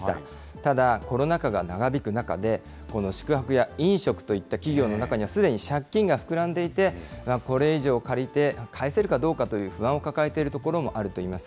ただ、コロナ禍が長引く中で、この宿泊や飲食といった企業の中にはすでに借金が膨らんでいて、これ以上借りて、返せるかどうかという不安を抱えているところもあるといいます。